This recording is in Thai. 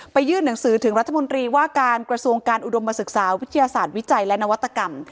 ยื่นหนังสือถึงรัฐมนตรีว่าการกระทรวงการอุดมศึกษาวิทยาศาสตร์วิจัยและนวัตกรรม